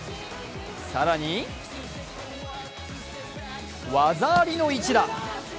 更に技ありの一打。